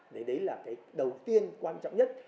đấy là cái đầu tiên quan trọng nhất